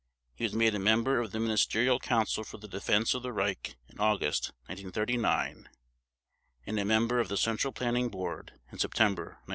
He was made a member of the Ministerial Council for the Defense of the Reich in August 1939, and a member of the Central Planning Board in September 1943.